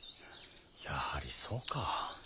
やはりそうか。